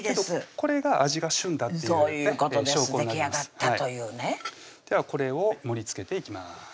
これが味がしゅんだっていうね証拠になりますではこれを盛りつけていきます